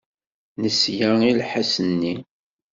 Nesla i lḥess-nni.